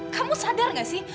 kamu sadar gak sih